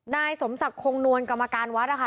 นายสมศักดิ์คงนวลกรรมการวัดนะคะ